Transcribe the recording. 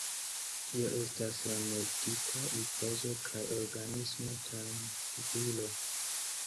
Tio estas la meritita ripozo kaj organisma trankvilo.